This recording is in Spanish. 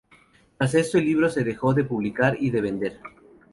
Tras esto el libro se dejó de publicar y de vender.